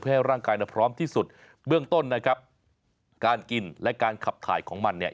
ให้ร่างกายพร้อมที่สุดเบื้องต้นนะครับการกินและการขับถ่ายของมันเนี่ย